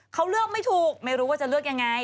เขาเลือกไม่ถูกไม่รู้ว่าจะเลือกยังไง